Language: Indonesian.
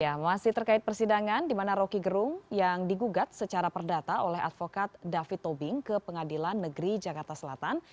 ya masih terkait persidangan di mana roky gerung yang digugat secara perdata oleh advokat david tobing ke pengadilan negeri jakarta selatan